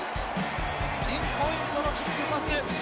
ピンポイントのキックパス。